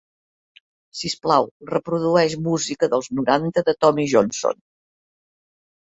Sisplau, reprodueix música dels noranta de Tommy Johnson.